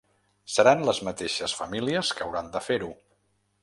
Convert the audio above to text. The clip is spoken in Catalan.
Seran les mateixes famílies que hauran de fer-ho.